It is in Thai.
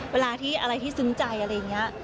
เวลาที่อะไรที่ซึ้งใจอะไรอย่างนี้